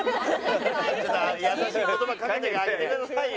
優しい言葉かけてあげてくださいよ。